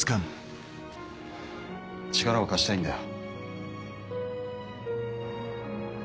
力を貸したいんだよ。